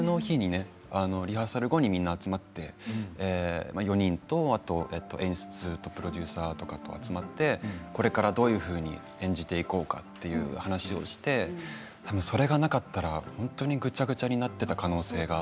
リハーサル後にみんな集まって４人と、あと演出とプロデューサーとかが集まってこれから、どういうふうに演じていこうかという話をして多分それがなかったら本当にぐちゃぐちゃになっていた可能性が。